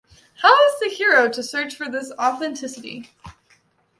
How is the hero to search for this authenticity?